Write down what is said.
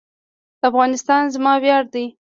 افغانستان زما ویاړ دی؟